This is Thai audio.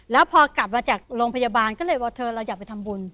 แล้วพอกลับมาจากโรงพยาบาลก็เลยว่าเธอเราอยากไปทำบุญ